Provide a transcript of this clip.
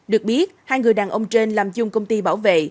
được biết hai người đàn ông trên làm chung công ty bảo vệ